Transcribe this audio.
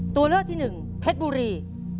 ตัวเลือกที่๑เพชรบุรี